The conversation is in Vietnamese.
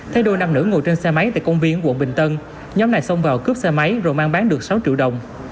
thấy đôi nam nữ ngồi trên xe máy tại công viên quận bình tân nhóm này xông vào cướp xe máy rồi mang bán được sáu triệu đồng